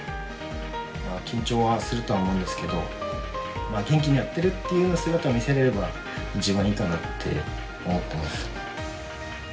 緊張はするとは思うんですけど元気にやってるっていう姿を見せれれば一番いいかなって思ってます。